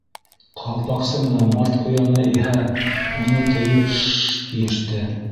Ҡалпаҡсы менән Март Ҡуяны иһә уны тыйып «шш» тиеште